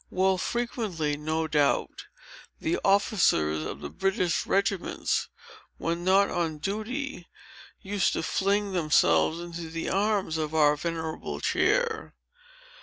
"Well, frequently, no doubt, the officers of the British regiments, when not on duty, used to fling themselves into the arms of our venerable chair.